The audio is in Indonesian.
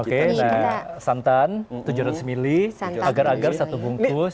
oke nah santan tujuh ratus ml agar agar satu bungkus